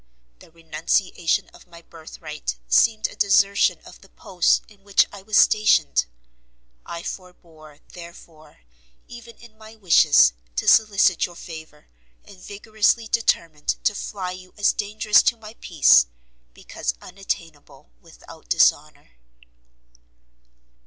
The renunciation of my birth right seemed a desertion of the post in which I was stationed; I forbore, therefore, even in my wishes, to solicit your favour, and vigorously determined to fly you as dangerous to my peace, because unattainable without dishonour.